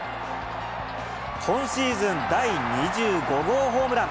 今シーズン第２５号ホームラン。